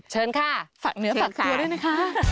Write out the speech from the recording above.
เชิญค่ะฝักเนื้อฝักจัง